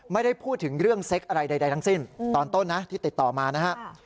ไม่ได้พูดถึงเรื่องเซ็กอะไรใดทั้งสิ้นตอนต้นนะที่ติดต่อมานะครับ